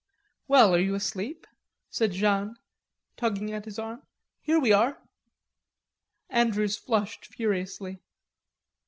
"Well, are you asleep?" said Jeanne tugging at his arm. "Here we are." Andrews flushed furiously.